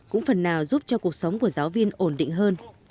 cũng phần nào giúp cho cuộc sống của giáo viên ổn định hơn